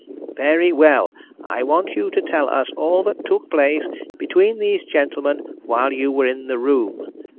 "Very well. I want you to tell us all that took place between these gentlemen while you were in the room.